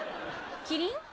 キリン？